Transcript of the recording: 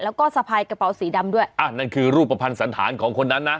แล้วก็สะพายกระเป๋าสีดำด้วยอ่ะนั่นคือรูปภัณฑ์สันธารของคนนั้นนะ